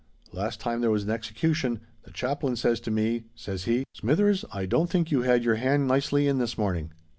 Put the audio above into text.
Last time there was an execution, the Chaplain says to me, says he, '_Smithers, I don't think you had your hand nicely in this morning?